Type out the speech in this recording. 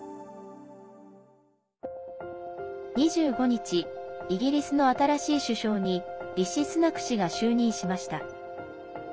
２５日イギリスの新しい首相にリシ・スナク氏が就任しました。